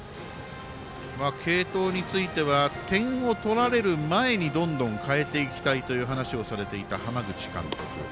継投については点を取られる前にどんどん代えていきたいという話をされていた、浜口監督。